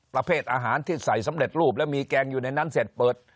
ประเภทอาหารที่ใส่สำเร็จรูปแล้วมีแกงอยู่ในนั้นเสร็จเปิด